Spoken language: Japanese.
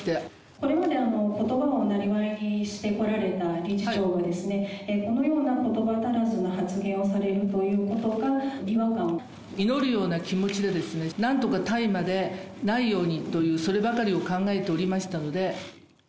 これまでことばをなりわいにしてこられた理事長が、このようなことば足らずの発言をされるということが、祈るような気持ちで、なんとか大麻でないようにという、そればかりを考えておりましたので。